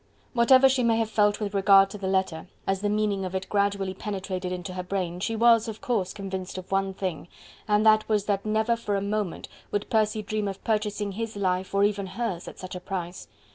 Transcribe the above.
Whatever she may have felt with regard to the letter, as the meaning of it gradually penetrated into her brain, she was, of course, convinced of one thing, and that was that never for a moment would Percy dream of purchasing his life or even hers at such a price.